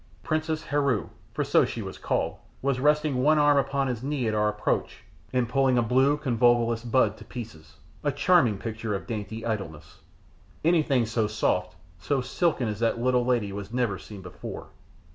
Princess Heru, for so she was called, was resting one arm upon his knee at our approach and pulling a blue convolvulus bud to pieces a charming picture of dainty idleness. Anything so soft, so silken as that little lady was never seen before.